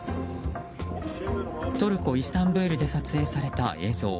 トルコ・イスタンブールで撮影された映像。